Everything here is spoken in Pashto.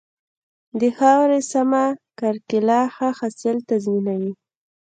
د خاورې سمه کرکيله ښه حاصل تضمینوي.